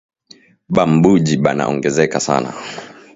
Ba mbuji bana ongezeka sana